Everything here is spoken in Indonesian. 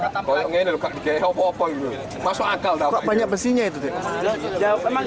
tauuran yang diperlukan oleh tawuran yang diperlukan oleh tawuran